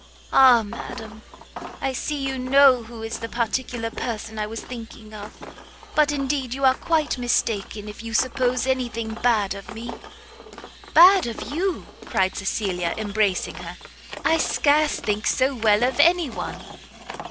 "Ah madam! I see you know who is the particular person I was thinking of! but indeed you are quite mistaken if you suppose any thing bad of me!" "Bad of you!" cried Cecilia, embracing her, "I scarce think so well of any one!"